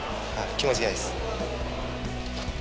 気持ちがいいです。